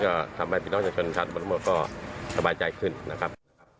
ก็ทำให้ปิดล้องชาชนชาตุบันต้องกลัวก็สบายใจขึ้นนะครับ